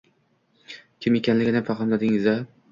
Kim ekanligini fahmladingiz-a?